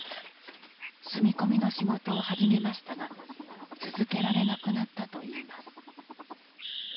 住み込みの仕事を始めましたが続けられなくなったといいます。